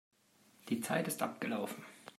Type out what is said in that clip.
Die Zeit ist abgelaufen.